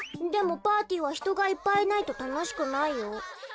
でもパーティーはひとがいっぱいいないとたのしくないよ。